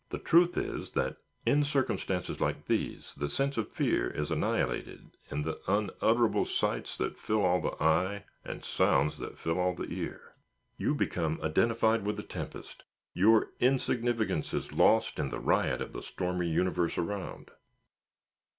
The truth is, that in circumstances like these the sense of fear is annihilated in the unutterable sights that fill all the eye, and the sounds that fill all the ear. You become identified with the tempest; your insignificance is lost in the riot of the stormy universe around.